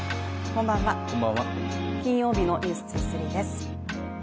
こんばんは、金曜日の「ｎｅｗｓ２３」です。